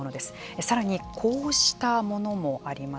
さらにこうしたものもあります。